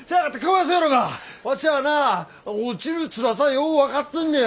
ワシはな落ちるつらさよう分かってんねや！